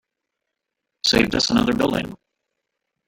Saved us another building.